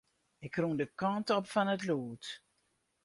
Ik rûn de kant op fan it lûd.